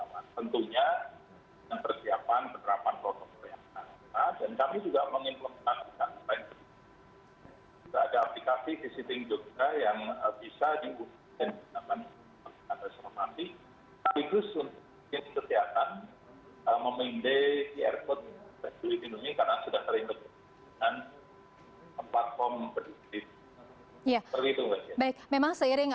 kalau wisatawan yang datang